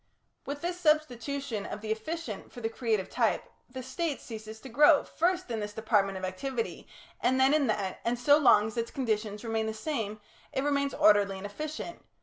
With this substitution of the efficient for the creative type, the State ceases to grow, first in this department of activity, and then in that, and so long as its conditions remain the same it remains orderly and efficient.